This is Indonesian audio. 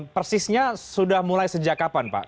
persisnya sudah mulai sejak kapan pak